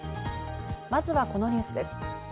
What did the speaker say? まずはこのニュースです。